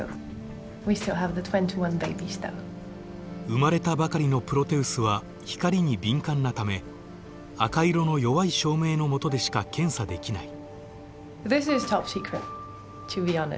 生まれたばかりのプロテウスは光に敏感なため赤色の弱い照明の下でしか検査できない。